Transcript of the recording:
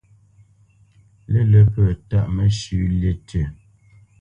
Lə̂lə̄ pə̂ tâʼ məshʉ̂ lí tʉ̂.